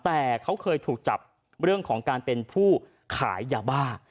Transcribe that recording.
แต่เขาเคยถูกจับคือขายบ้า